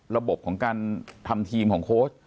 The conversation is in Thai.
ระบบของการทำทีมของโค้ช